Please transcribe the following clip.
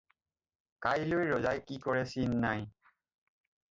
কাইলৈ ৰজাই কি কৰে চিন নাই।